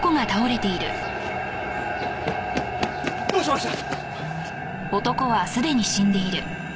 どうしました！？